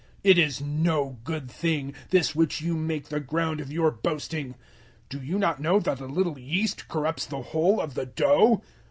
005:006 It is no good thing this which you make the ground of your boasting. Do you not know that a little yeast corrupts the whole of the dough?